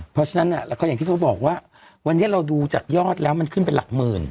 เพราะฉะนั้นแล้วก็อย่างที่เขาบอกว่าวันนี้เราดูจากยอดแล้วมันขึ้นเป็นหลักหมื่น